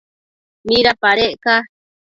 ¿midapadec ca?